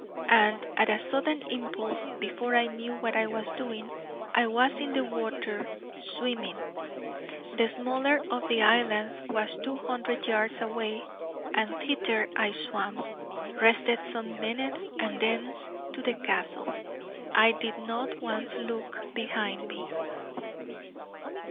And at a sudden impulse, before I knew what I was doing, I was in the water swimming. The smaller of the islands was two hundred yards away, and thither I swam, rested some minutes, and thence to the Castle. I did not once look behind me.